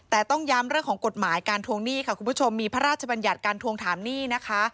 แต่ต้องย้ำเรื่องของกฎหมายการทวงหนี้ค่ะคุณผู้ชมมีพระราชบัญญัติการทวงถามหนี้นะคะ